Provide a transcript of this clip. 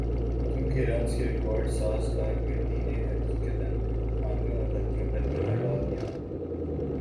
کیونکہ رنز کی ریکارڈ ساز کارکردگی نے حقیقتا خامیوں اور غلطیوں پر پردہ ڈال دیا